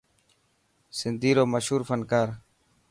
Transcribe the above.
سنڌي رو مشهور فنڪار.